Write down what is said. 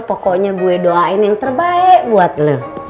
pokoknya gue doain yang terbaik buat lo